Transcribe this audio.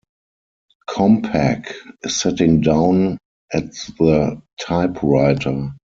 Compaq is sitting down at the typewriter.